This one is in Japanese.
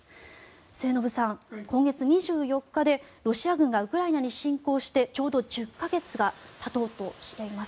末延さん、今月２４日でロシア軍がウクライナに侵攻してちょうど１０か月がたとうとしています。